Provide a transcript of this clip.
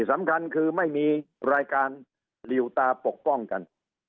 สำคัญคือไม่มีรายการหลิวตาปกป้องกัน